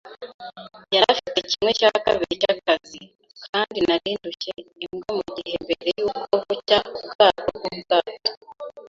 yari afite kimwe cya kabiri cy'akazi; kandi nari ndushye imbwa mugihe, mbere yuko bucya, ubwato bwubwato